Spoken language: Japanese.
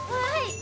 はい？